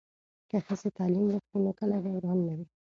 که ښځې تعلیم وکړي نو کلي به وران نه وي.